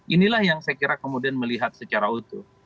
inilah yang saya kira kemudian melihat secara utuh